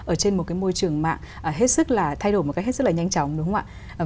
ở trên một cái môi trường mạng hết sức là thay đổi một cách hết sức là nhanh chóng đúng không ạ